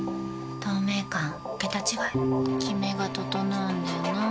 透明感桁違いキメが整うんだよな。